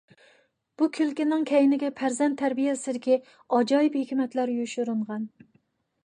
بۇ كۈلكىنىڭ كەينىگە پەرزەنت تەربىيەسىدىكى ئاجايىپ ھېكمەتلەر يوشۇرۇنغان.